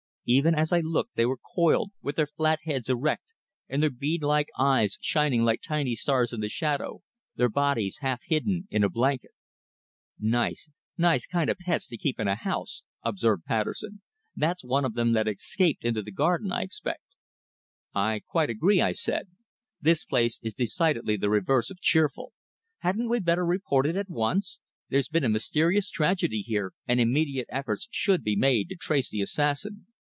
Even as I looked they were coiled, with their flat heads erect and their bead like eyes shining like tiny stars in the shadow, their bodies half hidden in a blanket. "Nice kind of pets, to keep in a house," observed Patterson. "That's one of them that's escaped into the garden, I expect." "I quite agree," I said, "this place is decidedly the reverse of cheerful. Hadn't we better report at once? There's been a mysterious tragedy here, and immediate efforts should be made to trace the assassin."